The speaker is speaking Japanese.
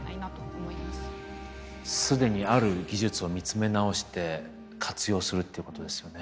既にある技術を見つめ直して活用するっていうことですよね。